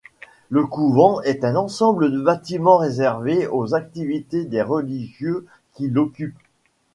Le couvent est un ensemble de bâtiments réservés aux activités des religieux qui l'occupent.